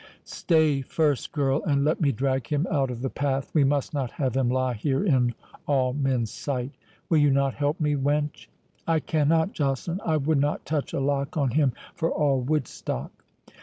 "Stay first, girl, and let me drag him out of the path; we must not have him lie herein all men's sight—Will you not help me, wench?" "I cannot, Joceline—I would not touch a lock on him for all Woodstock."